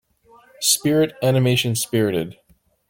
Spirit animation Spirited.